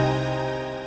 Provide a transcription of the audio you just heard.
sampai jumpa lagi